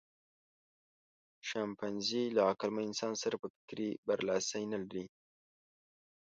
شامپانزي له عقلمن انسان سره په فکر کې برلاسی نهلري.